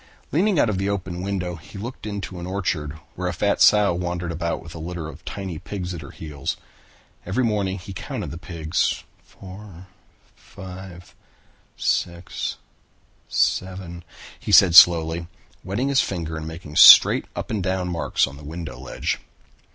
Leaning out at the open window, he looked into an orchard where a fat sow wandered about with a litter of tiny pigs at her heels. Every morning he counted the pigs. "Four, five, six, seven," he said slowly, wetting his finger and making straight up and down marks on the window ledge.